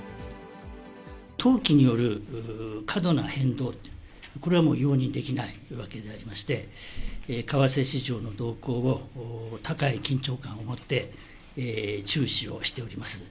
投機による過度な変動、これはもう、容認できないわけでありまして、為替市場の動向を、高い緊張感を持って注視をしております。